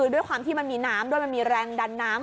ด้วยความที่มันมีน้ำด้วยมันมีแรงดันน้ำ